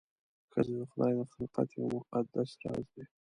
ښځه د خدای د خلقت یو مقدس راز دی.